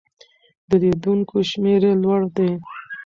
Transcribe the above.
د لیدونکو شمېر یې لوړ دی.